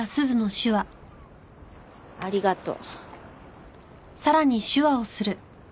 ありがとう。